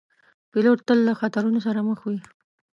پیلوټ تل له خطرونو سره مخ وي.